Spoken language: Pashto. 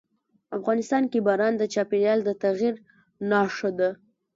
افغانستان کې باران د چاپېریال د تغیر نښه ده.